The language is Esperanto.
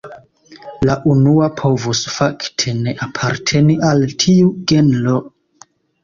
La unua povus fakte ne aparteni al tiu genro.